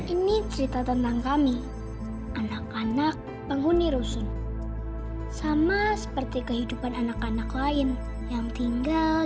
ini cerita tentang kami anak anak penghuni rusun sama seperti kehidupan anak anak lain yang tinggal